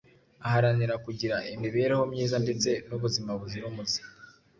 aharanira kugira imibereho myiza ndetse n’ubuzima buzira umuze.